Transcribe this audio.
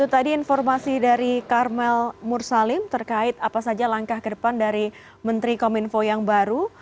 jadi informasi dari karmel mursalim terkait apa saja langkah kedepan dari menteri kominfo yang baru